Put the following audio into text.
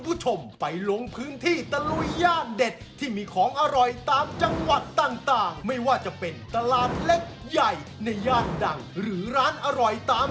ผมชอบคุกทีวีเถอะนะไม่ต้องไปคิดจะทำอย่างอื่นหรอกแล้วก็ไปเตียกเขาอีกเถอะ